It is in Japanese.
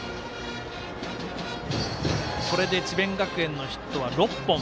これで智弁学園のヒットは６本。